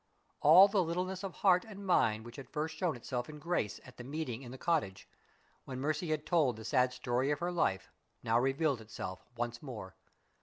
All the littleness of heart and mind which had first shown itself in Grace at the meeting in the cottage, when Mercy told the sad story of her life, now revealed itself once more.